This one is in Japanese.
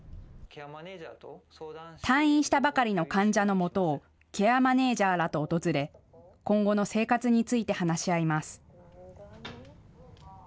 退院したばかりの患者のもとをケアマネージャーらと訪れ今後の生活について話し合います。